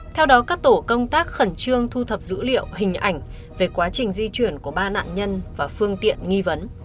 theo đó các tổ công tác khẩn trương thu thập dữ liệu hình ảnh về quá trình di chuyển của ba nạn nhân và phương tiện nghi vấn